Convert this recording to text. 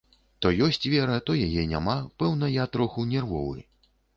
То ёсць вера, то яе няма, пэўна я троху нервовы.